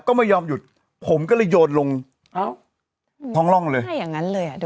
ก็ไม่ยอมหยุดผมก็เลยโยนลงเอ้าท้องร่องเลยถ้าอย่างนั้นเลยอ่ะ